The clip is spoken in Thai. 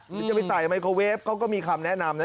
ไม่ต่ายไมโครเวฟเขาก็มีคำแนะนำนะ